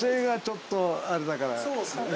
そうですよね。